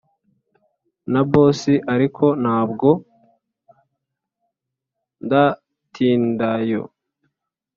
na boss ariko ntabwo ndatindayo,